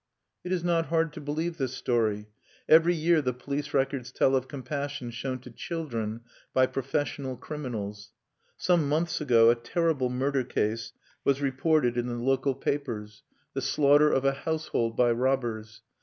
It is not hard to believe this story. Every year the police records tell of compassion shown to children by professional criminals. Some months ago a terrible murder case was reported in the local papers, the slaughter of a household by robbers.